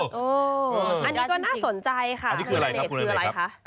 อันนี้ก็น่าสนใจค่ะเครนิดคืออะไรคะโอ้นี่คืออะไรคะ